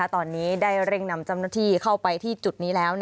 ตอนนี้ได้เร่งนำเจ้าหน้าที่เข้าไปที่จุดนี้แล้ว